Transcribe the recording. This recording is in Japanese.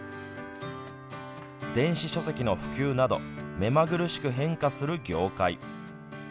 電子書籍の普及など目まぐるしく変化する業界。